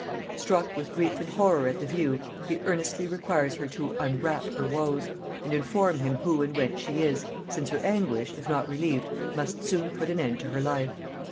Struck with grief and horror at the view, he earnestly requires her to "unwrap" her woes, and inform him who and whence she is, since her anguish, if not relieved, must soon put an end to her life.